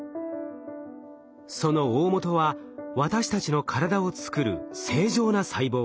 そのおおもとは私たちの体を作る正常な細胞。